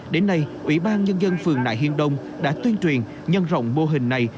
đến nay ủy ban nhân dân phường nại hiên đông đã tuyên truyền nhân rộng mô hình này